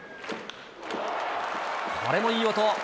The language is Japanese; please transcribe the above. これもいい音。